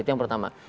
itu yang pertama